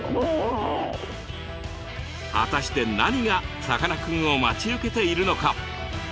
果たして何がさかなクンを待ち受けているのか？